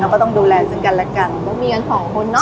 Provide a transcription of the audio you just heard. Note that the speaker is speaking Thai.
ก็ต้องดูแลซึ่งกันและกันก็มีกันสองคนเนอ